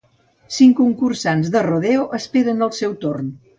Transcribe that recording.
Cinc concursants de rodeo esperen el seu torn.